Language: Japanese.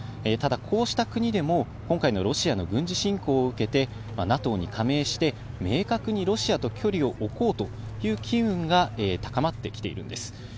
ただ、こうした国でも、今回のロシアの軍事侵攻を受けて、ＮＡＴＯに加盟して、明確にロシアと距離を置こうという機運が高まってきているんです。